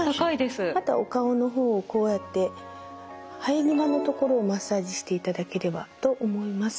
あとはお顔の方をこうやって生え際のところをマッサージしていただければと思います。